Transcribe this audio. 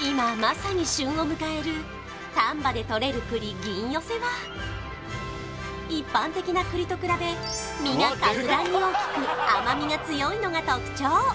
今まさに旬を迎える丹波でとれる栗銀寄は一般的な栗と比べ実が格段に大きく甘みが強いのが特徴